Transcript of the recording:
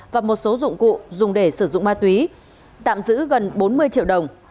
và một số dụng cụ dùng để sử dụng ma túy tạm giữ gần bốn mươi triệu đồng